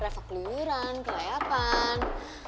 reva keluyuran kelayakan